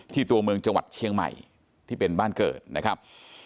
ตัวเมืองจังหวัดเชียงใหม่ที่เป็นบ้านเกิดนะครับ